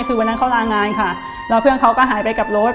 คือวันนั้นเขาลางานค่ะแล้วเพื่อนเขาก็หายไปกับรถ